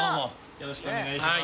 よろしくお願いします。